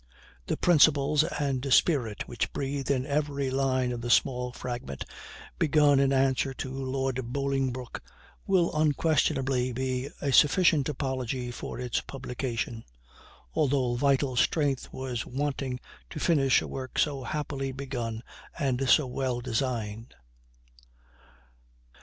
The principles and spirit which breathe in every line of the small fragment begun in answer to Lord Bolingbroke will unquestionably be a sufficient apology for its publication, although vital strength was wanting to finish a work so happily begun and so well designed.